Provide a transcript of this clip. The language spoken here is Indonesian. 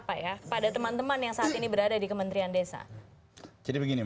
pada teman teman yang saat ini berada di kementrian desa